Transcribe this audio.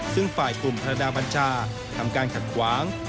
ซึ่งฝ่ายกลุ่มพระดาบัญชาทำการขัดขวาง